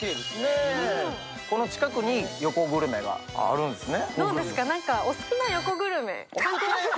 この近くに、横グルメがあるんですね。